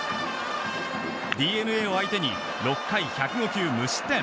ＤｅＮＡを相手に６回１０５球無失点。